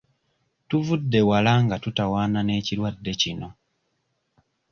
Tuvudde wala nga tutawaana n'ekirwadde kino.